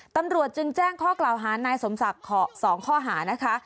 ตำรวจจึงแจ้งข้อกล่าวหานายสมศักดิ์๒ข้อหานะคะ